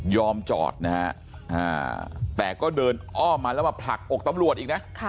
จอดนะฮะแต่ก็เดินอ้อมมาแล้วมาผลักอกตำรวจอีกนะ